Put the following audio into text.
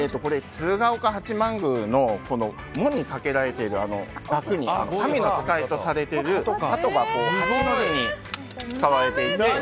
鶴岡八幡宮の門にかけられている枠に神の使いとされているハトが使われていて。